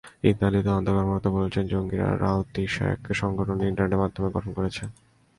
ইতালির তদন্ত কর্মকর্তারা বলেছেন, জঙ্গিরা রাওতি শাক্স সংগঠনটি ইন্টারনেটের মাধ্যমে গঠন করেছে।